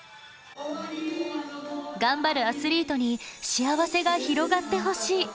頑張るアスリートに幸せが広がってほしい。